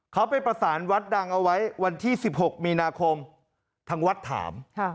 เขาไปประสานวัดดังเอาไว้วันที่๑๖มีนาคมทางวัดถาม